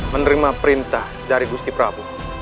menerima perintah dari gusti prabowo